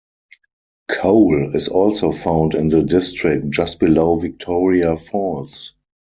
Coal is also found in the district just below Victoria Falls.